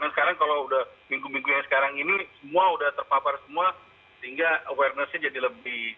sekarang kalau udah minggu minggu yang sekarang ini semua udah terpapar semua sehingga awarenessnya jadi lebih